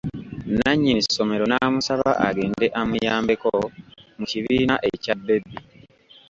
Nannyini ssomero n’amusaba agende amuyambeko mu kibiina ekya 'baby'.